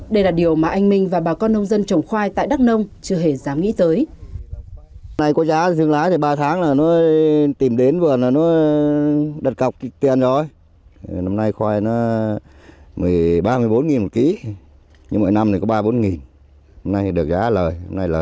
đây là điều mà anh minh và bà con nông dân trồng khoai tại đắk nông chưa hề dám nghĩ tới